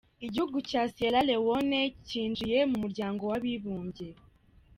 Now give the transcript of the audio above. Igihugu cya Sierra Leone cyinjiye mu muryango w’abibumbye.